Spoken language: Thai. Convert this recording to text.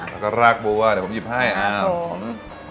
แล้วก็รากบูอ่ะเดี๋ยวผมหยิบให้นะครับ